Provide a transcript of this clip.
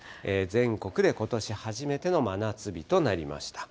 全国でことし初めての真夏日となりました。